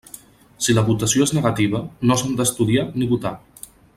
Si la votació és negativa, no s'han d'estudiar ni votar.